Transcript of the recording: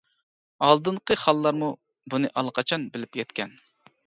ئالدىنقى خانلارمۇ بۇنى ئاللىقاچان بىلىپ يەتكەن.